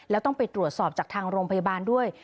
แล้วต้องไปตรวจสอบจากทางโรงพยาบาลด้วย